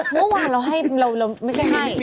เมื่อวานเราให้เราไม่ใช่ให้